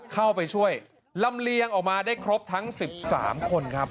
เข้าไปช่วยลำเลียงออกมาได้ครบทั้ง๑๓คนครับ